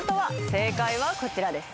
正解はこちらです。